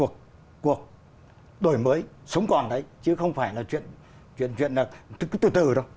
cuộc đổi mới sống còn đấy chứ không phải là chuyện tự tự đâu